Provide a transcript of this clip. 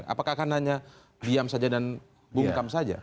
apakah akan hanya diam saja dan bungkam saja